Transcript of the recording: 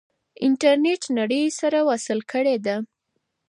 انټرنیټ نړۍ سره وصل کړې ده.